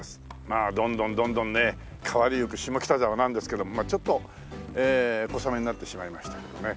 まあどんどんどんどんね変わりゆく下北沢なんですけどもちょっと小雨になってしまいましたけどね。